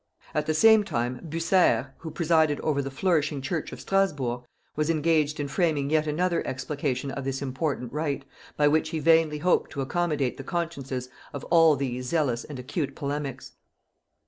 At the same time Bucer, who presided over the flourishing church of Strasburg, was engaged in framing yet another explication of this important rite, by which he vainly hoped to accommodate the consciences of all these zealous and acute polemics.